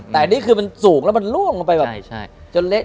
แต่อันนี้คือมันสูงแล้วมันล่วงลงไปแบบจนเละ